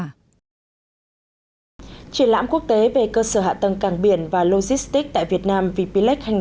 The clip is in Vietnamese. triển lãm quốc tế về cơ sở hạ tầng cảng biển và logistics tại việt nam vplec hai nghìn một mươi